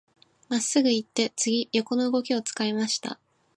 真っすぐ行って、次、横の動きを使いました。